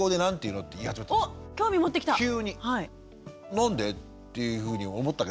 何で？っていうふうに思ったけど。